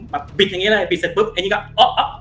แบบปิดอย่างนี้เฮ้ยปิดเสร็จปุ๊บอันนี้ก็อ๊อก็โบ๊ะ